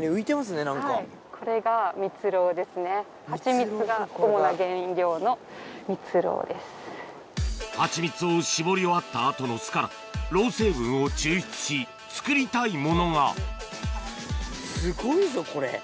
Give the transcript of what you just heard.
ハチミツを搾り終わった後の巣からロウ成分を抽出し作りたいものがすごいぞこれ！